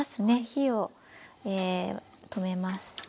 火を止めます。